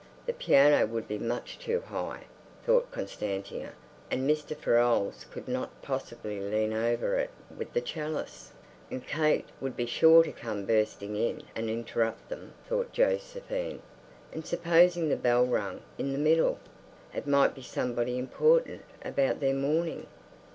The piano would be much too high, thought Constantia, and Mr. Farolles could not possibly lean over it with the chalice. And Kate would be sure to come bursting in and interrupt them, thought Josephine. And supposing the bell rang in the middle? It might be somebody important—about their mourning.